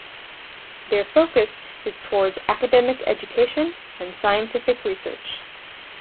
Their focus is towards academic education and scientific research.